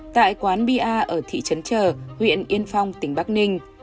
tại quán bia ở thị trấn trờ huyện yên phong tỉnh bắc ninh